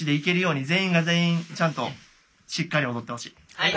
はい！